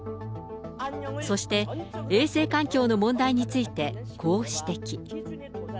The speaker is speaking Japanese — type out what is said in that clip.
そして、衛生環境の問題について、こう指摘。